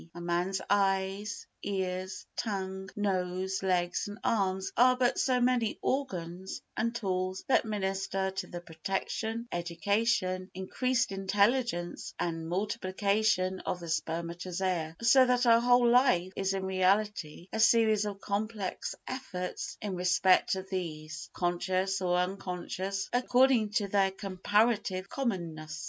A man's eyes, ears, tongue, nose, legs and arms are but so many organs and tools that minister to the protection, education, increased intelligence and multiplication of the spermatozoa; so that our whole life is in reality a series of complex efforts in respect of these, conscious or unconscious according to their comparative commonness.